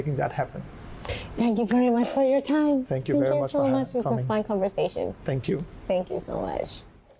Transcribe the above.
คุณใช่รักสนุกมากขอบคุณมาก